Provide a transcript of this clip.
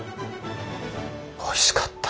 おいしかった！